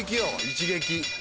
一撃。